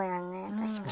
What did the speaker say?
確かに。